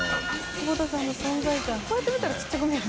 久保田さんの存在感こうやって見たら小さく見える。